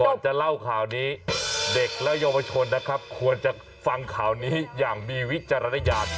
จะเล่าข่าวนี้เด็กและเยาวชนนะครับควรจะฟังข่าวนี้อย่างมีวิจารณญาณ